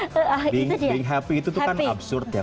bing happy itu tuh kan absurd ya